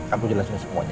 aku jelasin semuanya